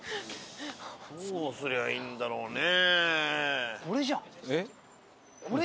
どうすりゃいいんだろうね。